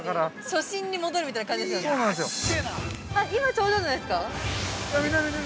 ◆初心に戻るみたいな感じですね。